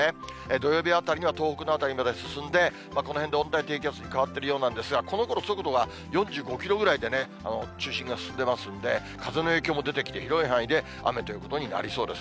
土曜日あたりには東北の辺りまで進んで、この辺で温帯低気圧に変わっているようなんですが、このころ速度が４５キロぐらいでね、中心が進んでますんで、風の影響も出てきて、広い範囲で雨というふうになりそうです。